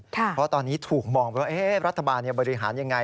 เพราะตอนนี้ถูกมองไปว่ารัฐบาลบริหารยังไง